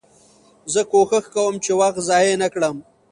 زه کوښښ کوم، چي وخت ضایع نه کړم.